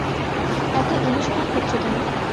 এত ইমোশনাল হচ্ছো কেন?